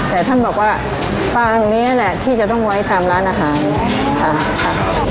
แต่ท่านบอกว่าฟางนี้แหละที่จะต้องไว้ตามร้านอาหารค่ะ